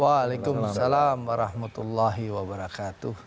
waalaikumsalam warahmatullahi wabarakatuh